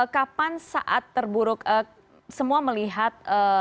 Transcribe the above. kapan saat terburuk semua melihat